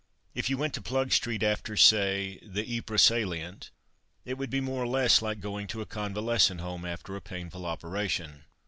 If you went to Plugstreet after, say, the Ypres Salient, it would be more or less like going to a convalescent home after a painful operation.